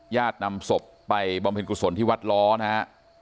ญาตินำศพไปบำเพ็ญกุศลที่วัดล้อนะฮะ